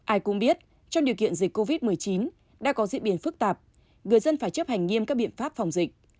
ai cũng biết trong điều kiện dịch covid một mươi chín đã có diễn biến phức tạp người dân phải chấp hành nghiêm các biện pháp phòng dịch